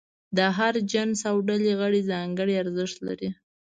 د هر جنس او ډلې غړي ځانګړي ارزښت لري.